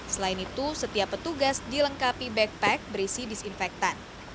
selain itu setiap petugas dilengkapi backpack berisi disinfektan